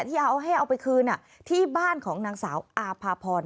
ที่เอาให้เอาไปคืนที่บ้านของนางสาวอาภาพร